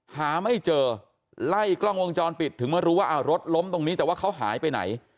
หาไม่เจอไล่กล้องวงจรปิดถึงมารู้ว่ารถล้มตรงนี้แต่ว่าเขาหายไปไหน